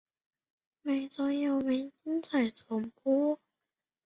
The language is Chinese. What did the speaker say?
每周六为精彩重播。